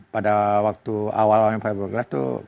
pada waktu awal awalnya fiberglass itu